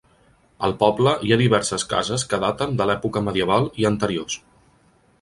Al poble hi ha diverses cases que daten de l'època medieval i anteriors.